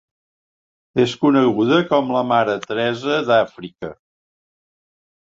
És coneguda com la Mare Teresa d'Àfrica.